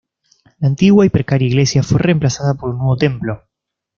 La antigua y precaria iglesia fue reemplazada por un nuevo templo.